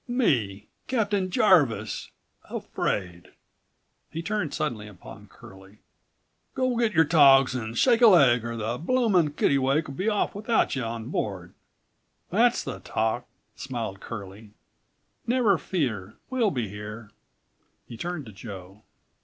Me, Captain Jarvis, hafraid." He turned suddenly upon Curlie. "Go git yer togs an' shake a leg er the bloomin' Kittlewake'll be off without you on board." "That's the talk!" smiled Curlie. "Never fear! We'll be here." He turned to Joe.